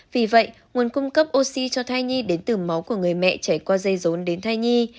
vì vậy nguồn cung cấp oxy cho thai nhi đến từ máu của người mẹ chảy qua dây rốn đến thai nhi